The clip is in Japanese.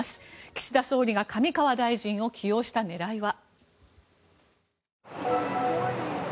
岸田総理が上川大臣を起用した狙いは？